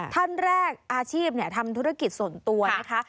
ท่านแรกอาชีพทำธุรกิจส่วนตัวนะคะ